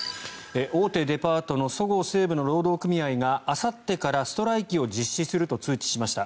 大手デパートのそごう・西武の労働組合があさってからストライキを実施すると通知しました。